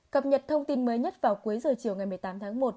cập nhật thông tin mới nhất vào cuối giờ chiều ngày một mươi tám tháng một